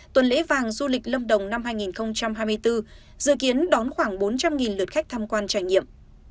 tuần lễ vàng du lịch lâm đồng năm hai nghìn hai mươi bốn dự kiến đón khoảng bốn trăm linh lượt khách tham quan trải nghiệm